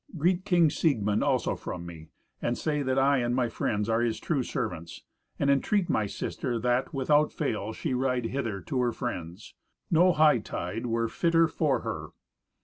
Greet King Siegmund also from me, and say that I and my friends are his true servants; and entreat my sister that, without fail, she ride hither to her friends. No hightide were fitter for her."